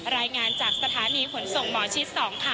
รายงานจากสถานีขนส่งหมอชิด๒ค่ะ